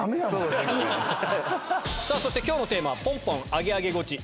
そして今日のテーマポンポンアゲアゲゴチ。